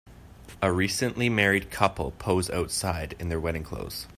A recently married couple pose outside in their wedding clothes.